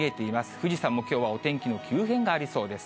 富士山もきょうはお天気の急変がありそうです。